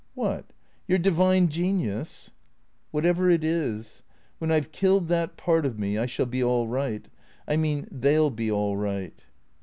" What ? Your divine genius ?"" Whatever it is. When I 've killed that part of me I shall be all right. I mean — they '11 be all right."